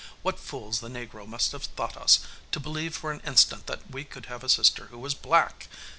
'What fools the negro must have thought us, to believe for an instant that we could have a sister who was black!